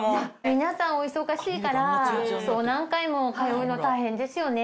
皆さんお忙しいからそう何回も通うの大変ですよね。